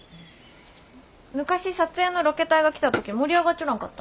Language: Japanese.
昔撮影のロケ隊が来た時盛り上がっちょらんかった？